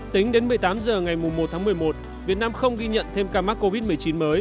tính đến một mươi tám h ngày một tháng một mươi một việt nam không ghi nhận thêm ca mắc covid một mươi chín mới